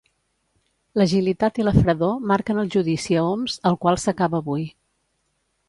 L'agilitat i la fredor marquen el judici a Homs, el qual s'acaba avui.